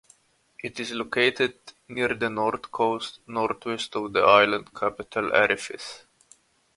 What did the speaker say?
It is located near the north coast, northwest of the island capital Arrecife.